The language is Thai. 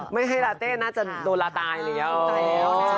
ไม่ให้ลาเต๊น่าจะโดนละตายหรอ